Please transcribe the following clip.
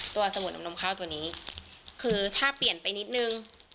สมุดนมนมข้าวตัวนี้คือถ้าเปลี่ยนไปนิดนึง